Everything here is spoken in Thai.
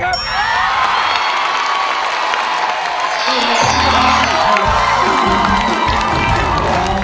คุณดวงใจร้อง